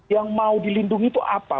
yang mau dilindungi itu apa